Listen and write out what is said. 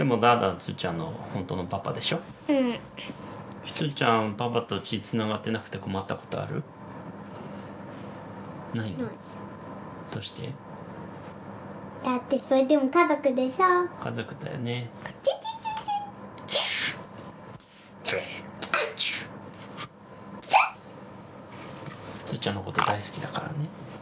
つーちゃんのこと大好きだからね。